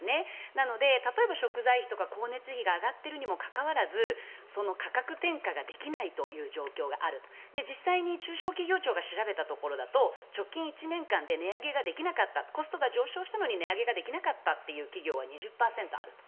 なので、例えば食材費や光熱費が上がっているにもかかわらず価格転嫁ができないという状況がある実際に中小企業庁が調べたところだと直近１年間でコストが上昇したのに値上げができなかった企業は２０％あると。